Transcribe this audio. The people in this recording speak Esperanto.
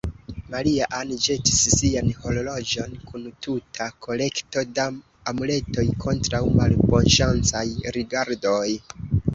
Maria-Ann ĵetis sian horloĝon, kun tuta kolekto da amuletoj kontraŭ malbonŝancaj rigardoj.